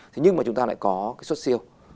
thế nhưng mà chúng ta lại có cái xuất siêu